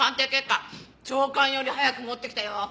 朝刊より早く持ってきたよ。